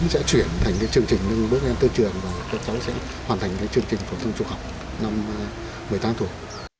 sẽ chuyển thành chương trình bước lên tư trường và cháu sẽ hoàn thành chương trình phổ thông trùng học năm một mươi tám tuổi